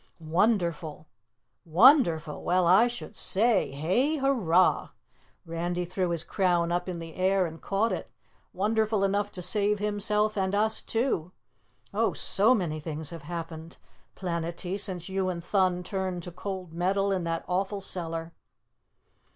"Wonderful! Wonderful? Well, I should say hay hurray!" Randy threw his crown up in the air and caught it. "Wonderful enough to save himself and us too. Oh, SO many things have happened, Planetty, since you and Thun turned to cold metal in that awful cellar!"